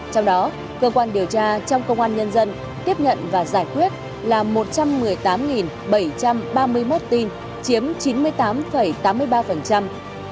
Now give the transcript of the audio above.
trong đó cơ quan điều tra trong công an nhân dân tiếp nhận và giải quyết là một trăm một mươi tám bảy trăm ba mươi một tin chiếm chín mươi tám tám mươi ba